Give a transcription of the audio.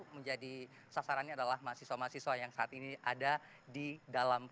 menjadi sasarannya adalah mahasiswa mahasiswa yang saat ini ada di dalam